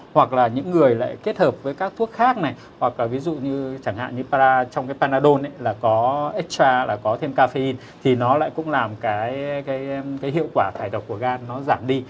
hoặc là những người lại kết hợp với các thuốc khác này hoặc là ví dụ như chẳng hạn như trong cái panadol là có extra là có thêm caffeine thì nó lại cũng làm cái hiệu quả thải độc của gan nó giảm đi